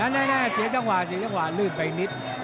แน่เสียจังหวะเสียจังหวะลื่นไปนิด